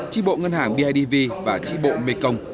tri bộ ngân hàng bidv và tri bộ mekong